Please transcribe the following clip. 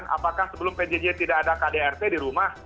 apakah sebelum pjj tidak ada kdrt di rumah